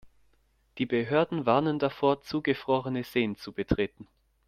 Die Behörden warnen davor, zugefrorene Seen zu betreten.